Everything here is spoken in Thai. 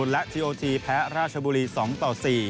และทีโอทีแพ้ราชบุรี๒ต่อ๔